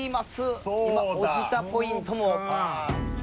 今おじたポイントも。